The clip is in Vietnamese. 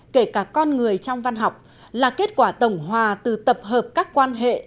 kể cả con người trong văn học là kết quả tổng hòa từ tập hợp các quan hệ